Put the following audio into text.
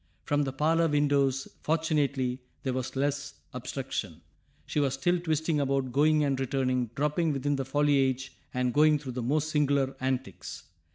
From the parlor windows, fortunately, there was less obstruction, she was still twisting about, going and returning, dropping within the foliage and going through the most singular antics.